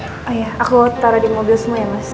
oh iya aku taro di mobil semua ya mas